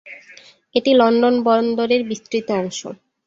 এটি লন্ডন বন্দরের বিস্তৃত অংশ।